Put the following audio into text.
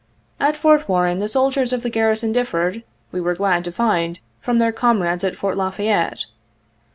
At Fort Warren the soldiers of the garrison differed, we were glad to find, from their comrades at Fort La Fayette.